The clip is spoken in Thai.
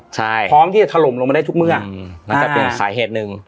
ใช่พร้อมที่จะถล่มลงมาได้ทุกเมื่อน่าจะเป็นสาเหตุหนึ่ง